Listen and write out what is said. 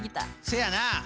せやな。